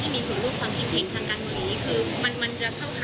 ที่มีสูงรูปความอินเทคทางการเงิน